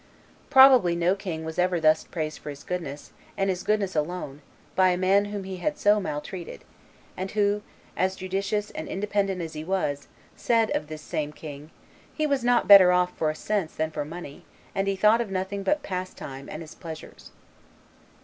Probably no king was ever thus praised for his goodness, and his goodness alone, by a man whom he had so maltreated, and who, as judicious and independent as he was just, said of this same king, "He was not better off for sense than for money, and he thought of nothing but pastime and his pleasures."